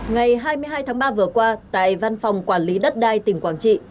ngày hai mươi hai tháng ba vừa qua tại văn phòng quản lý đất đai tỉnh quảng trị